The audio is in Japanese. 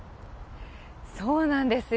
そうなんですよ。